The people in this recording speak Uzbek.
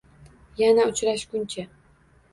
Yana uchrashguncha!